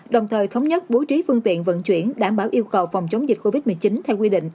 đồng thời thống nhất bố trí phương tiện vận chuyển đảm bảo yêu cầu phòng chống dịch covid một mươi chín theo quy định